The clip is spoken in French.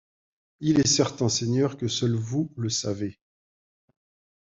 Il est certain, Seigneur, que seul vous le savez.